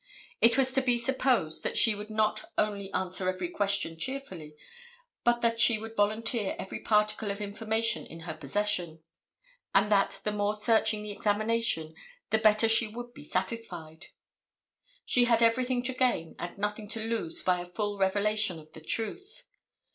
It was to be supposed that she would not only answer every question cheerfully, but that she would volunteer every particle of information in her possession, and that the more searching the examination, the better she would be satisfied. She had everything to gain and nothing to lose by a full revelation of the truth.